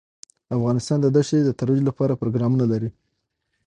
افغانستان د دښتې د ترویج لپاره پروګرامونه لري.